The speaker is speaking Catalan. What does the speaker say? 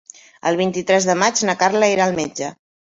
El vint-i-tres de maig na Carla irà al metge.